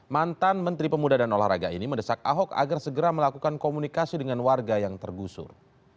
mantan menteri pemuda dan olahraga ini mendesak ahok agar segera melakukan komunikasi dengan warga yang tergusur